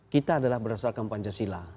kita adalah berasal kampanjasila